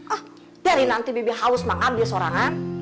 eh jadi nanti bibi haus banget dia sorangan